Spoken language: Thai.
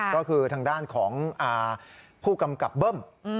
ก็คือทางด้านของผู้กำกับเบิ้ม